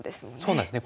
そうなんです。